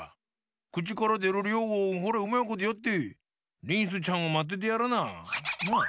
くちからでるりょうをホレうまいことやってリンスちゃんをまっててやらな。なあ！